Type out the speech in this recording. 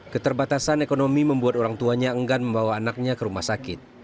keterbatasan ekonomi membuat orang tuanya enggan membawa anaknya ke rumah sakit